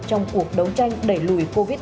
trong cuộc đấu tranh đẩy lùi covid một mươi